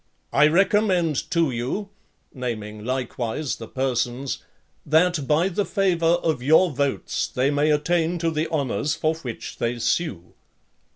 I recommend to you (naming likewise the persons), that by the favour of your votes they may attain to the honours for which they sue."